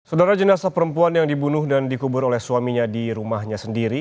saudara jenasa perempuan yang dibunuh dan dikubur oleh suaminya di rumahnya sendiri